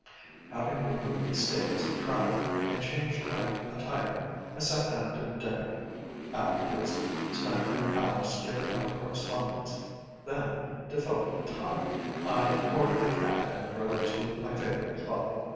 Having removed the stains of travel, and changed my attire, I sat down to dinner, afterwards spent an hour skimming my correspondence, then, to fill up the time, I ordered a cab and drove to my favourite Club.